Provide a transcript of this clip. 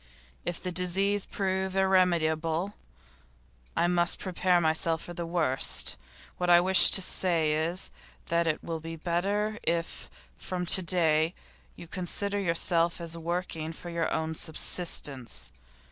If the disease prove irremediable, I must prepare myself for the worst. What I wish to say is, that it will be better if from to day you consider yourself as working for your own subsistence.